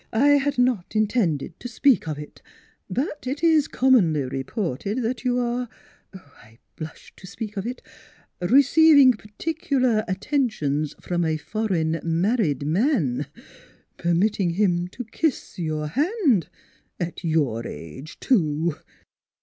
" I had not intended to speak of it; but it is commonly reported that you are I blush to speak it receiving p'ticular attentions from a foreign married man permit ting him to kiss your hand at your age, too